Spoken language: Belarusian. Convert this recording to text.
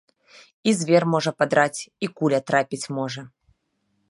І звер можа падраць, і куля трапіць можа.